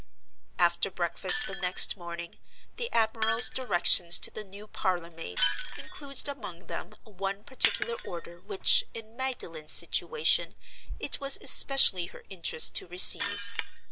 After breakfast the next morning, the admiral's directions to the new parlor maid included among them one particular order which, in Magdalen's situation, it was especially her interest to receive.